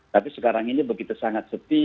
tapi sekarang ini begitu sangat sepi